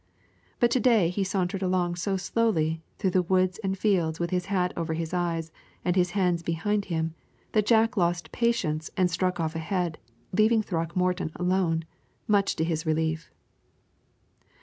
But to day he sauntered along so slowly, through the woods and fields with his hat over his eyes and his hands behind him, that Jack lost patience and struck off ahead, leaving Throckmorton alone, much to his relief.